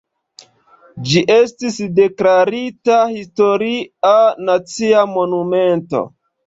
Ĝi estis deklarita Historia Nacia Monumento.